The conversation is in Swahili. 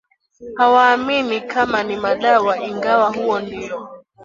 hawaamini kama ni madawa ingawa huo ndio